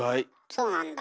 そうなんだ。